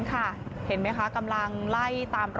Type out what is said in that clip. ยังเวอร์ยังเวอร์